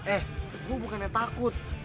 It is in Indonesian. eh gue bukannya takut